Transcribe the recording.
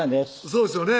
そうですよね